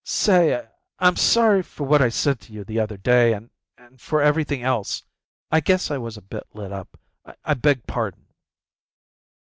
"Say, I'm sorry for what I said to you the other day an' for for everythin' else. I guess I was a bit lit up. I beg pardon."